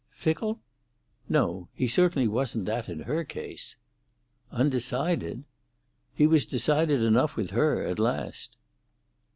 "Fickle?" "No. He certainly wasn't that in her case." "Undecided?" "He was decided enough with her—at last."